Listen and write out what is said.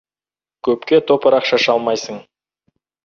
Көпке топырақ шаша алмайсың.